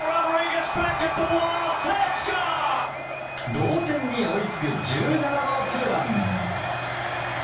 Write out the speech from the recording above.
同点に追いつく１７号ツーラン。